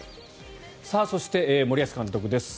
そして、森保監督です。